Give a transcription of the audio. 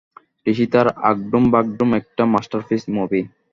রিশিতার আগডুম বাগডুম একটা masterpiece movie.